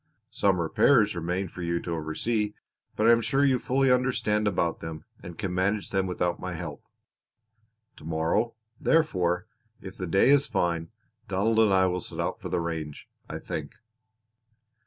Some repairs remain for you to oversee, but I am sure you fully understand about them, and can manage them without my help. To morrow, therefore, if the day is fine, Donald and I will set out for the range, I think."